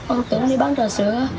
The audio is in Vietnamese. ông tưởng đi bán trà sữa